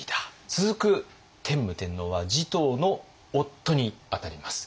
続く天武天皇は持統の夫に当たります。